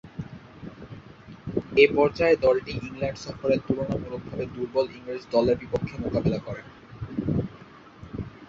এ পর্যায়ে দলটি ইংল্যান্ড সফরে তুলনামূলকভাবে দূর্বল ইংরেজ দলের বিপক্ষে মোকাবেলা করে।